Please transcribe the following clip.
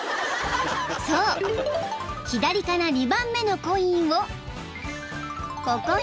［そう左から２番目のコインをここに］